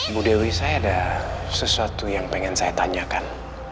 bu dewi saya ada sesuatu yang pengen saya tanyakan